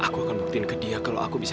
aku akan buktiin ke dia kalau aku bisa